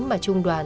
mà trung đoàn